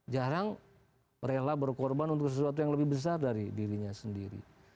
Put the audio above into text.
jarang rela berkorban untuk sesuatu yang lebih besar dari dirinya sendiri